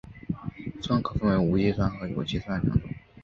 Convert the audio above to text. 酸可分为无机酸和有机酸两种。